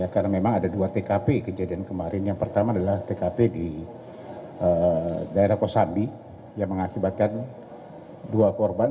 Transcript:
karena memang ada dua tkp kejadian kemarin yang pertama adalah tkp di daerah kosambi yang mengakibatkan dua korban